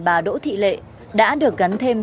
bà đỗ thị lệ đã được gắn thêm